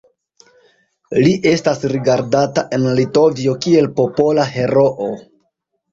Li estas rigardata en Litovio kiel Popola Heroo.